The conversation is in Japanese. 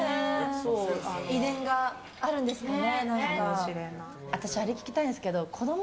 遺伝があるんですね。